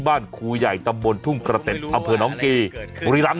บ้านครูใหญ่ตำบลทุ่งกระเต็ดอำเภอน้องกีบุรีรำ